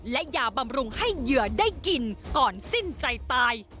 และยาบำรุงให้เหยื่อได้กินก่อนสิ้นใจตาย